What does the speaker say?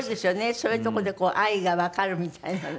そういうとこで愛がわかるみたいなね。